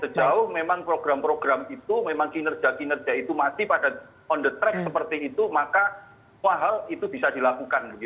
sejauh memang program program itu memang kinerja kinerja itu masih pada on the track seperti itu maka semua hal itu bisa dilakukan